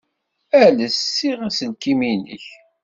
Ales ssiɣ aselkim-nnek.